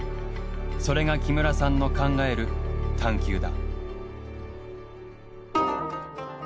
それが木村さんの考える探究だ。